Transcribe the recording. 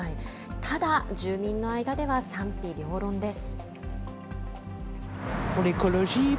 ただ、住民の間では賛否両論です。